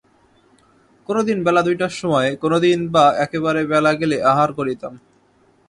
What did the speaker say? কোনোদিন বেলা দুইটার সময়ে, কোনোদিন বা একেবারে বেলা গেলে আহার করিতাম।